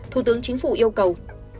thủ tướng chính phủ yêu cầu